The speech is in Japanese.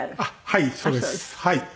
はいそうです。